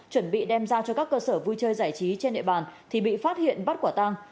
chuẩn bị đem ra cho các cơ sở vui chơi giải trí trên địa bàn thì bị phát hiện bắt quả tăng